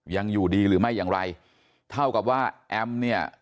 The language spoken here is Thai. ยังอยู่ดีหรือไม่อย่างไรเท่ากับว่าแอมเนี่ย